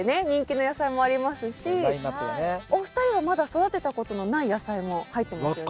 お二人はまだ育てたことのない野菜も入ってますよね。